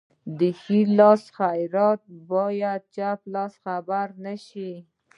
د ښي لاس خیرات باید چپ لاس خبر نشي.